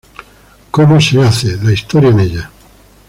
Cómo se "hace" la historia en ella.